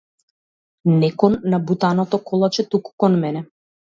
Не кон набутаното колаче туку кон мене.